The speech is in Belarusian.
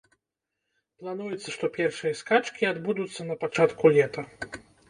Плануецца, што першыя скачкі адбудуцца на пачатку лета.